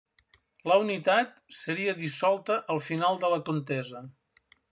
La unitat seria dissolta al final de la contesa.